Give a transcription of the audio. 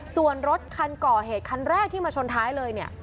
ส่วนรถคันก่อเหตุคันแรกที่มาชนท้ายเลยเนี่ย